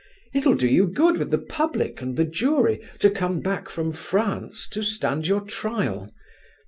It'll do you good with the public and the jury to come back from France to stand your trial.